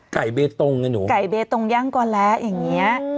ไข่เบตกอย่างงี้หนูไข่เบตกย่างก่อนละอย่างเนี้ย